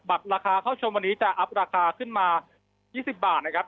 ราคาเข้าชมวันนี้จะอัพราคาขึ้นมา๒๐บาทนะครับ